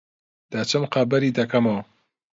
دەچم خەبەری دەکەمەوە.